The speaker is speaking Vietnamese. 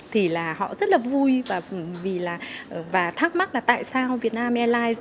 thì là họ rất là vui và thắc mắc là tại sao vietnam airlines